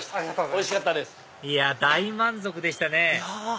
いや大満足でしたね！